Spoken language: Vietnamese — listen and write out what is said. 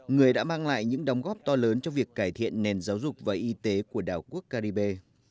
người đã mang lại những đóng góp to lớn cho việc cải thiện nền giáo dục và y tế của đảo quốc caribe